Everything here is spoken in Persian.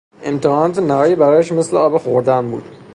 امتحانات نهایی برایش مثل آب خوردن بود.